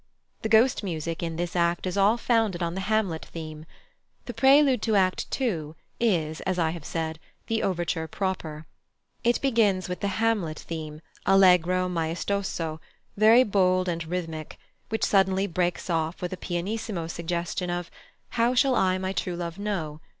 The Ghost music in this act is all founded on the Hamlet theme. The prelude to Act ii. is, as I have said, the overture proper. It begins with the Hamlet theme, allegro maestoso, very bold and rhythmic, which suddenly breaks off with a pianissimo suggestion of "How shall I my true love know?"